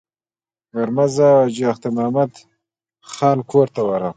غرمه زه او حاجي اختر محمد خان کور ته ورغلو.